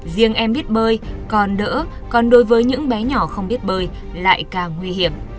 riêng em biết bơi còn đỡ còn đối với những bé nhỏ không biết bơi lại càng nguy hiểm